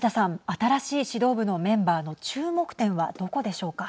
新しい指導部のメンバーの注目点はどこでしょうか。